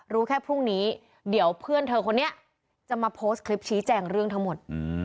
รู้แค่พรุ่งนี้เดี๋ยวเพื่อนเธอคนนี้จะมาโพสต์คลิปชี้แจงเรื่องทั้งหมด